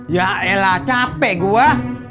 yaelah capek gua